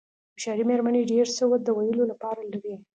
هوښیارې مېرمنې ډېر څه د ویلو لپاره لري.